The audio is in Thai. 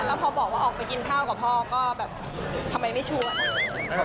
แล้วพอบอกว่าออกไปกินข้าวกับพ่อก็แบบทำไมไม่ชวน